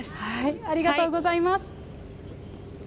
ありがとうございます。